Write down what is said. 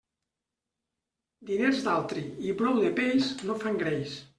Diners d'altri i brou de peix no fan greix.